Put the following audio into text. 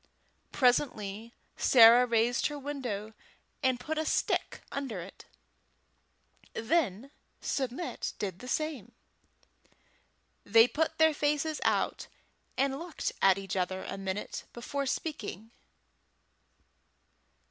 Presently Sarah raised her window, and put a stick under it; then Submit did the same. They put their faces out, and looked at each other a minute before speaking.